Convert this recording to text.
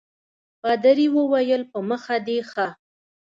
پادري وویل په مخه دي ښه.